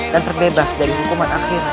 dan terbebas dari hukuman akhirat